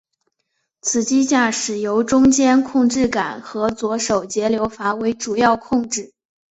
此机驾驶由中间控制杆和左手节流阀为主要控制。